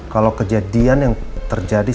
kalau kejadian yang terjadi